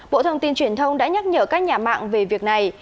bộ thông tin truyền thông đã nhắc nhở các nhà mạng về việc này